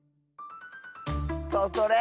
そうそれ！